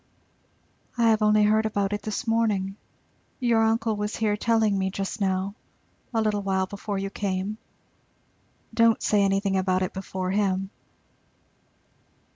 "I have only heard about it this morning. Your uncle was here telling me just now, a little while before you came. Don't say anything about it before him."